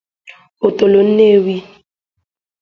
Otolo Nnewi